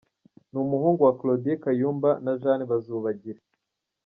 Ni umuhungu wa Claudien Kayumba na Jeanne Bazubagira.